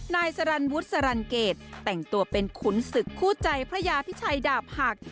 นายสรรวุฒิสรรเกตแต่งตัวเป็นขุนศึกคู่ใจพระยาพิชัยดาบหัก